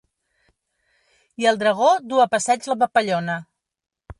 I el dragó du a passeig la papallona.